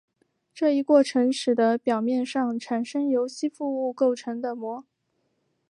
这一过程使得表面上产生由吸附物构成的膜。